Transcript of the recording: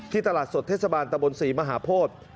ที่ตลาดสดเทศบาลตะบนศรีมหาพฎ